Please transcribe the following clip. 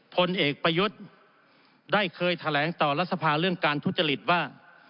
พลเอกประยุทธ์ได้เคยแถลงต่อรัฐสภาเรื่องการทุจริตว่า